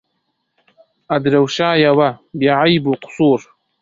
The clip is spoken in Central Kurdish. ئەدرەوشایەوە بێعەیب و قوسوور